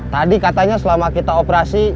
tadi katanya selama kita operasi